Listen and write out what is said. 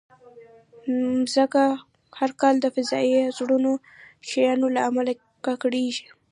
مځکه هر کال د فضایي زړو شیانو له امله ککړېږي.